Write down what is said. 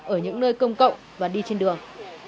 ở những nơi công cộng và đi trên đường